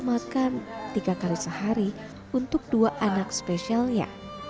makan tiga kali sehari untuk dua anak spesialnya